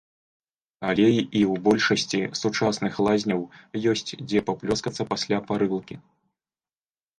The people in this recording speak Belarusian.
Але і ў большасці сучасных лазняў ёсць дзе паплёскацца пасля парылкі.